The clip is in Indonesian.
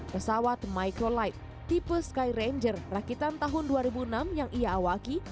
pesawat microlight tipe sky ranger rakitan tahun dua ribu enam yang ia awaki